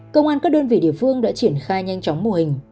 công an các đơn vị địa phương đã triển khai nhanh chóng mô hình